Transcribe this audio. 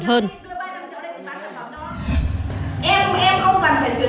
em không cần phải chuyển khoản nhiều